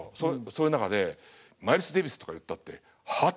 そういう中でマイルス・デイビスとか言ったって「はあ？」